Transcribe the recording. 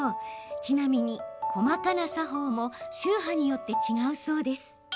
ちなみに細かな作法も宗派によって違うそうです。